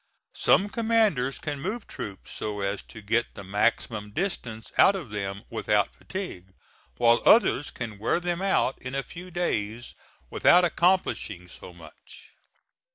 Some commanders can move troops so as to get the maximum distance out of them without fatigue, while others can wear them out in a few days without accomplishing so much.